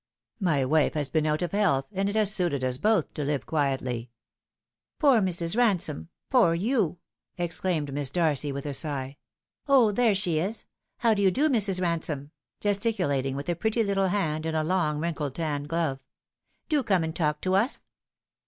"My wife has been out of health, and it has suited us both to live quietly." " Poor Mrs. Bansome poor you !" exclaimed Miss Darcy, with a sigh. "O, there she is I How do you do, Mrs. Bansome ?' gesticulating with a pretty little hand in a long wrinkled tan glove. " Do come and talk to us